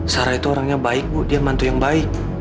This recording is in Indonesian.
sarah itu orangnya baik bu dia mantu yang baik